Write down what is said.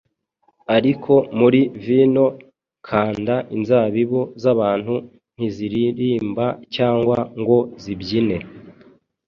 Ariko muri vino-kanda inzabibu zabantu ntiziririmba cyangwa ngo zibyine